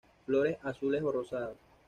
Flores azules a rosadas.